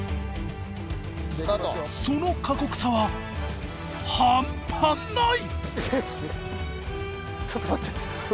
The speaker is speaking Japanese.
その過酷さは半端ない！